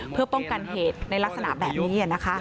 เพื่อป้องกันเหตุในลักษณะแบบนี้